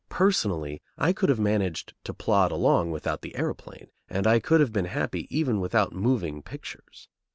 Personally, I could have managed to plod along without the aeroplane, and I could have been happy even without moving pictures.